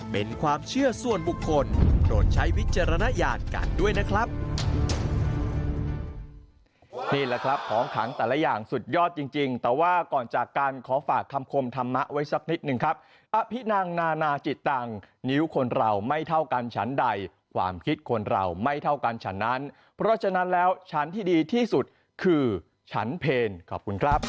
เป็นความเชื่อส่วนบุคคลโปรดใช้วิจารณญาณกันด้วยนะครับ